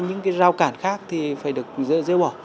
những cái rào cản khác thì phải được dơ bỏ